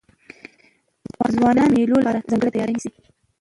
ځوانان د مېلو له پاره ځانګړې تیاری نیسي.